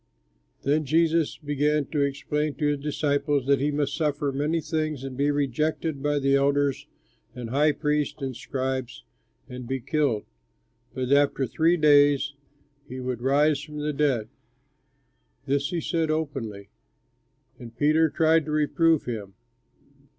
Then Jesus began to explain to his disciples that he must suffer many things and be rejected by the elders and high priests and scribes and be killed, but that after three days he would rise from the dead. This he said openly; and Peter tried to reprove him.